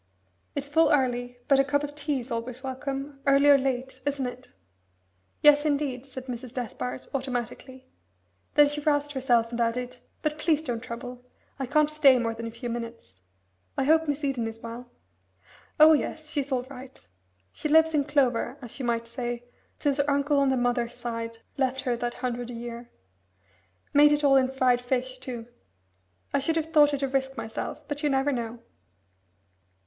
It's full early, but a cup of tea's always welcome, early or late, isn't it?" "Yes, indeed," said Mrs. Despard, automatically. Then she roused herself and added, "But please don't trouble, I can't stay more than a few minutes. I hope Miss Eden is well?" "Oh, yes she's all right. She lives in clover, as you might say, since her uncle on the mother's side left her that hundred a year. Made it all in fried fish, too. I should have thought it a risk myself, but you never know."